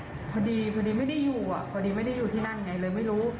พอดีพอดีไม่ได้อยู่อ่ะพอดีไม่ได้อยู่ที่นั่นไงเลยไม่รู้